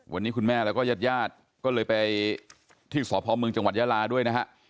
วันนี้คุณแม่แล้วก็ญาติญาติก็เลยไปที่สพเมืองจังหวัดยาลาด้วยนะฮะ